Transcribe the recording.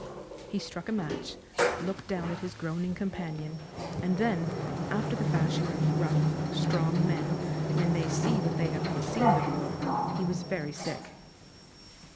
He struck a match, looked down at his groaning companion, and then, after the fashion of rough, strong men when they see what they have not seen before, he was very sick.